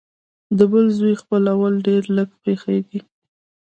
د بل زوی خپلول ډېر لږ پېښېږي